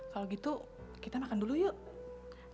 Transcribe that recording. kalau gitu kita makan dulu yuk